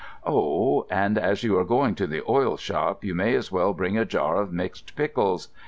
Oh, and as you are going to the oil shop, you may as well bring a jar of mixed pickles.